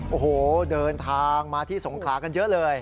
โอ้โหเดินทางมาที่สงขลากันเยอะเลย